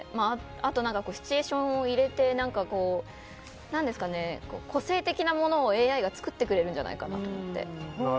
あとはシチュエーションを入れて個性的なものをＡＩが作ってくれるんじゃないかと思って。